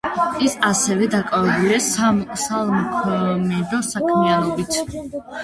ის ასევე დაკავებულია საქველმოქმედო საქმიანობით.